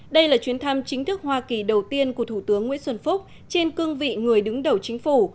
đây là chuyến thăm chính thức hoa kỳ đầu tiên của thủ tướng nguyễn xuân phúc trên cương vị người đứng đầu chính phủ